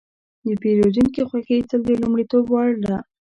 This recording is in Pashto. د پیرودونکي خوښي تل د لومړیتوب وړ ده.